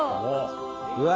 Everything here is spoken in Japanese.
うわ！